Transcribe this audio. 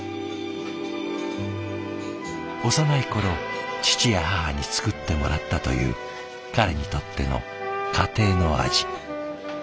幼い頃父や母に作ってもらったという彼にとっての家庭の味。